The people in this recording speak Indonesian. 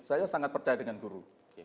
saya sangat percaya dengan guru